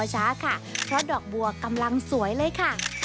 โหเม็ดบัวอบ